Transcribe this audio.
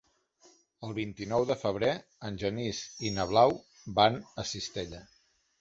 El vint-i-nou de febrer en Genís i na Blau van a Cistella.